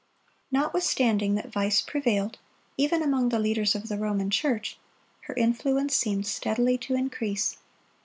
Notwithstanding that vice prevailed, even among the leaders of the Roman Church, her influence seemed steadily to increase.